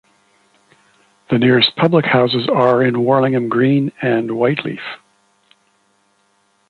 The nearest public houses are in Warlingham Green and Whyteleafe.